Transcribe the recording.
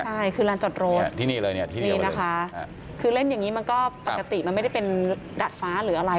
ใช่คือร้านจอดรถนี่นะคะคือเล่นอย่างนี้มันก็ปกติมันไม่ได้เป็นดัดฟ้าหรืออะไร